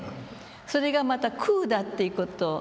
それがまた「空」だっていう事。